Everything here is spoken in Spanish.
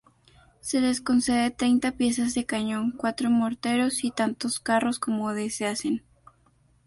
Se les concede treinta piezas de cañón, cuatro morteros y tantos carros como deseasen.